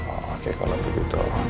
oke kalau begitu